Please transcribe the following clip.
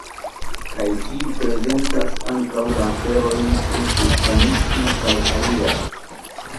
Kaj ĝi prezentas ankaŭ la aferojn pri kristanismo kaj aliaj.